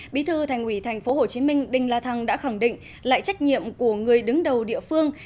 bí thư thành ủy tp hcm đinh la thăng đã khẳng định lại trách nhiệm của người đứng đầu địa phương